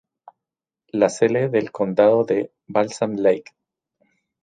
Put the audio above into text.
La sede del condado es Balsam Lake.